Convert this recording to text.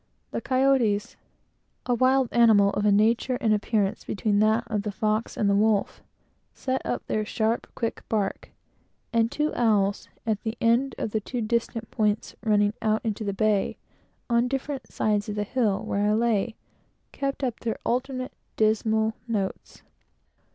The coati (a wild animal of a nature and appearance between that of the fox and the wolf) set up their sharp, quick bark, and two owls, at the end of two distant points running out into the bay, on different sides of the hills where I lay, kept up their alternate, dismal notes.